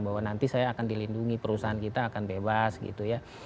bahwa nanti saya akan dilindungi perusahaan kita akan bebas gitu ya